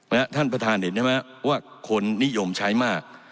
ท่านประธานเห็นใช่ไหมว่าคนนิยมใช้มาก